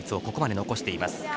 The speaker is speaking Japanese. ここまで残しています